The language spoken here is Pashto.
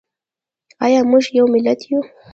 ایا موږ یو ملت یو؟